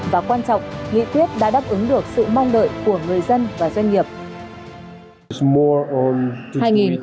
và quan trọng nghị quyết đã đáp ứng được sự mong đợi của người dân và doanh nghiệp